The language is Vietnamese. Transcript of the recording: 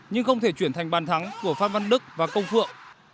nhưng không thể chuyển thành bàn thắng của phan văn đức và công phượng